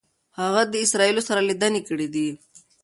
هغه د اسرائیلو سره لیدنې کړي دي.